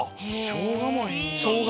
しょうがもいい。